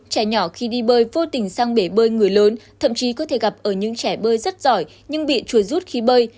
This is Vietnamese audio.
trẻ nhỏ khi đi bơi vô tình sang bể bơi người lớn thậm chí có thể gặp ở những trẻ bơi rất giỏi nhưng bị chuồi rút khi bơi